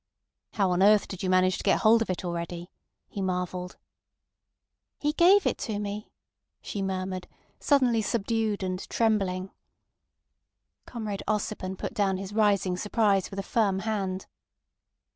"How on earth did you manage to get hold of it already?" he marvelled. "He gave it to me," she murmured, suddenly subdued and trembling. Comrade Ossipon put down his rising surprise with a firm hand.